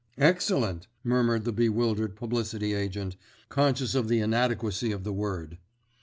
"Excellent!" murmured the bewildered publicity agent, conscious of the inadequacy of the word.